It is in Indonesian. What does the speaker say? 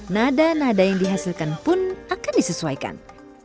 nada nada yang dihasilkan pun akan disesuaikan